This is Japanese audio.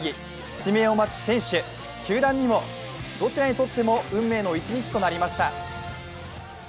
指名を待つ選手、球団にもどちらにとっても運命の一日となりました。